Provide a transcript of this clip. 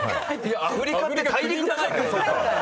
「アフリカ」って大陸だから。